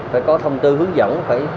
phải có thông tư hướng dẫn